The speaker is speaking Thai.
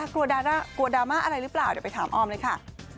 กลัวดราม่าอะไรหรือเปล่าเดี๋ยวไปถามออมเลยค่ะ